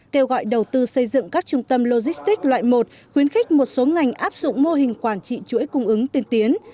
kêu gọi đầu tư xây dựng các trung tâm logistics loại một khuyến khích một số ngành áp dụng mô hình quản trị chuỗi cung ứng tiên tiến